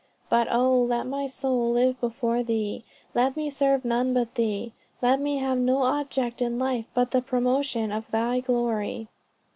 But oh, let my soul live before thee; let me serve none but thee; let me have no object in life but the promotion of thy glory."